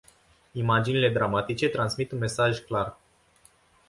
Imaginile dramatice transmit un mesaj clar.